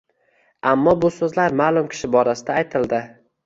Ammo bu so’zlar ma’lum kishi borasida aytildi.